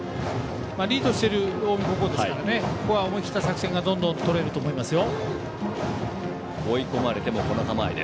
リードしている近江高校ですからここは思い切った作戦がどんどんとれると思いますよ。